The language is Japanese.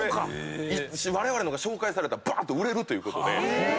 われわれのが紹介されたらばーっと売れるということで。